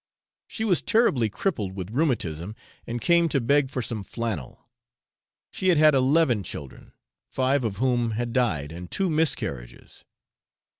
She was terribly crippled with rheumatism, and came to beg for some flannel. She had had eleven children, five of whom had died, and two miscarriages.